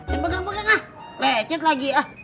ya pegang pegang nuance lagi ah